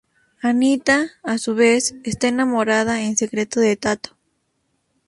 Anita, a su vez, está enamorada en secreto de Tato.